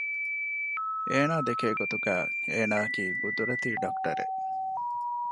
އޭނާ ދެކޭ ގޮތުގައި އޭނާއަކީ ގުދުރަތީ ޑަކުޓަރެއް